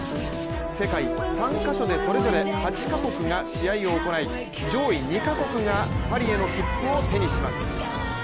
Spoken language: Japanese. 世界３か所でそれぞれ８か国が試合を行い上位２か国がパリへの切符を手にします。